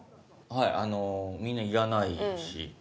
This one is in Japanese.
はいみんないらないし。